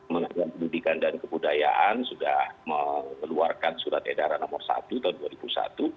mengenai pendidikan dan kebudayaan sudah mengeluarkan surat edara nomor satu tahun dua ribu sebelas